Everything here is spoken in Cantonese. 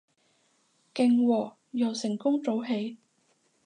勁喎，又成功早起